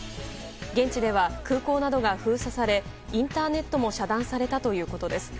現地では空港などが封鎖されインターネットも遮断されたということです。